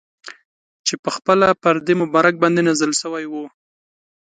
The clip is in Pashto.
چي پخپله پر ده مبارک باندي نازل سوی وو.